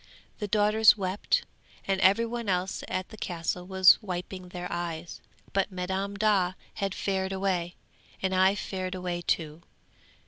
The daughters wept, and every one else at the Castle was wiping their eyes; but Madam Daa had fared away, and I fared away too!